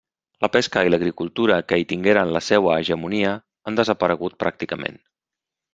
La pesca i l'agricultura que hi tingueren la seua hegemonia han desaparegut pràcticament.